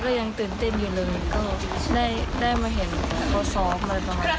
ก็ยังตื่นเต้นมากเลยค่ะ